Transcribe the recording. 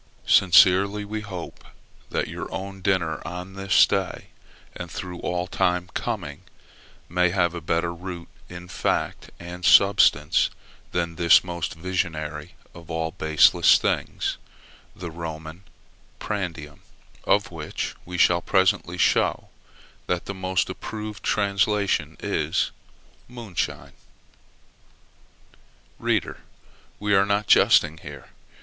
Sincerely we hope that your own dinner on this day, and through all time coming, may have a better root in fact and substance than this most visionary of all baseless things the Roman prandium, of which we shall presently show you that the most approved translation is moonshine. Reader, we are not jesting here.